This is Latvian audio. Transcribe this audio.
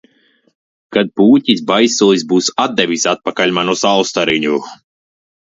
Kad Pūķis Baisulis būs atdevis atpakaļ manu Saulstariņu.